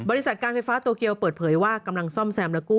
การไฟฟ้าโตเกียวเปิดเผยว่ากำลังซ่อมแซมและกู้